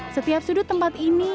setiap sudut tempat ini